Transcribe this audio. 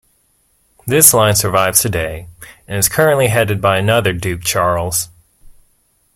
This line survives today, and is currently headed by another Duke Charles.